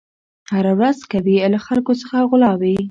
هره ورځ کوي له خلکو څخه غلاوي